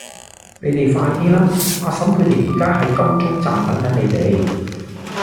你哋快啲啦!阿嬸佢哋而家喺金鐘站等緊你哋